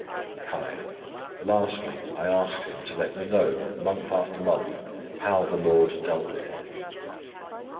5, Lastly, I asked him, to let me know, month after month, how the Lord dealt with him.